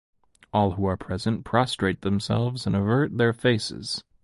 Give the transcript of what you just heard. All who are present prostrate themselves and avert their faces.